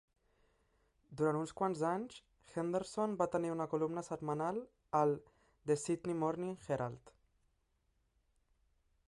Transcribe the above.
Durant uns quants anys, Henderson va tenir una columna setmanal al "The Sydney Morning Herald".